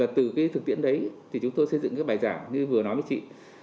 từ thực tiễn đấy chúng tôi xây dựng bài giảng như vừa nói với chị